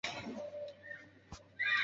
这也被称为整体油箱。